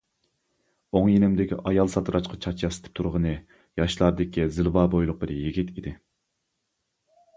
ئوڭ يېنىمدىكى ئايال ساتىراشقا چاچ ياسىتىپ تۇرغىنى - ياشلاردىكى زىلۋا بويلۇق بىر يىگىت ئىدى.